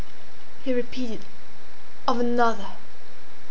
He repeated, "of another!"